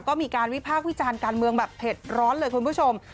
ก็มีการวิพากษ์วิจารณ์การเมืองแบบเผ็ดร้อนเลยคุณผู้ชม